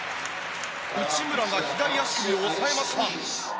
内村が左足首を押さえました。